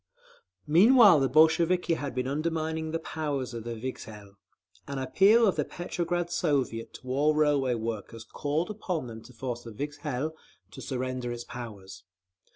Meanwhile the Bolsheviki had been undermining the power of the Vikzhel. An appeal of the Petrograd Soviet to all railway workers called upon them to force the Vikzhel to surrender its powers.